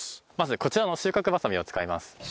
まずこちらの収穫バサミを使います。